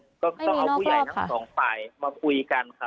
ไม่มีนอกรอบค่ะก็ต้องเอาผู้ใหญ่ทั้งสองฝ่ายมาคุยกันครับ